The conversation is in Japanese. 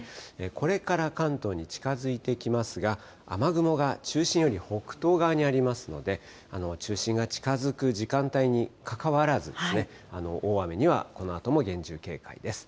これから関東に近づいてきますが、雨雲が中心より北東側にありますので、中心が近づく時間帯にかかわらず、大雨にはこのあとも厳重警戒です。